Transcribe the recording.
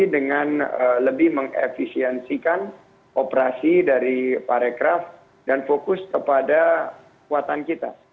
dengan lebih mengefisiensikan operasi dari parekraf dan fokus kepada kuatan kita